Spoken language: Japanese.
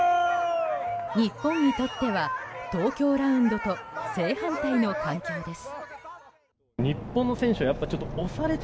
日本にとっては東京ラウンドと正反対の環境です。